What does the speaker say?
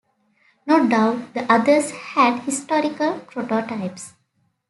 No doubt the others had historical prototypes.